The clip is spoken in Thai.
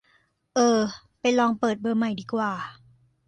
เออ ไปลองเปิดเบอร์ใหม่ดีกว่า